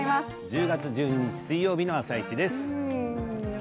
１０月１２日水曜日の「あさイチ」です。